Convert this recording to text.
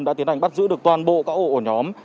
đã tiến hành bắt giữ được toàn bộ các ổ nhóm